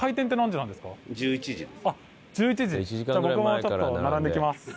じゃあ僕もちょっと並んできます。